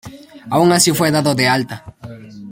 Aun así fue dado de alta.